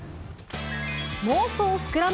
妄想膨らむ？